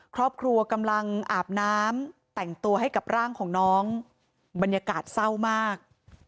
ครอบครัวกำลังอาบน้ำแต่งตัวให้กับร่างของน้องบรรยากาศเศร้ามาก